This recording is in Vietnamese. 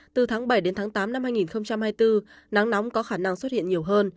từ tháng bảy đến tháng tám năm hai nghìn hai mươi bốn nắng nóng có khả năng xuất hiện nhiều hơn